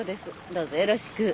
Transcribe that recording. どうぞよろしく。